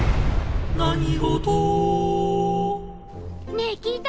ねえ聞いた？